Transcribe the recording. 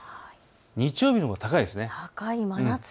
日曜日のほうが高いです。